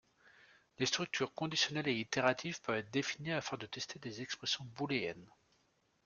Les structures conditionnelles et itératives peuvent être définies afin de tester des expressions booléennes.